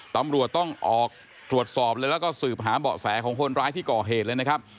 ตำรวจต้องออกตรวจสอบเลยแล้วก็สืบหาเบาะแสของคนร้ายที่ก่อเหตุเลยนะครับ